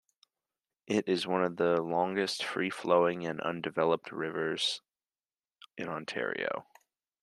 It is one of the longest free-flowing and undeveloped rivers in Ontario.